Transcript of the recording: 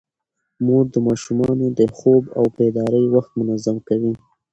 مور د ماشومانو د خوب او بیدارۍ وخت منظم کوي.